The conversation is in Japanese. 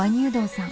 さん